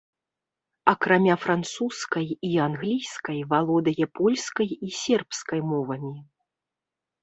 Акрамя французскай і англійскай валодае польскай і сербскай мовамі.